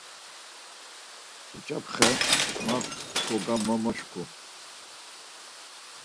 Uçapxe ma kogamomoşǩu.